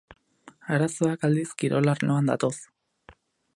Arazoak, aldiz, kirol arloan datoz.